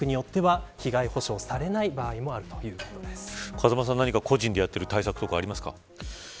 風間さん、個人でやっている対策とかありますか。